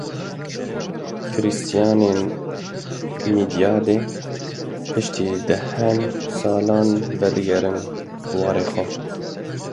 Krîstiyanên Midyadê piştî dehan salan vedigerin warê xwe.